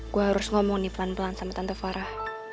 gue harus ngomong nih pelan pelan sama tante farah